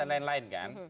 dan lain lain kan